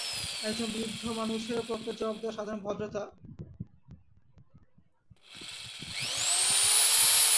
এক জুন বৃদ্ধ মানুষের পত্রের জবাব দেওয়া সাধারণ ভদ্রতা।